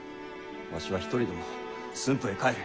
わしは一人でも駿府へ帰る。